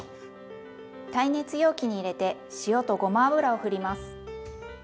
耐熱容器に入れて塩とごま油をふります。